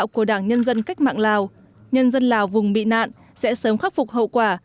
các cách mạng lào nhân dân lào vùng bị nạn sẽ sớm khắc phục hậu quả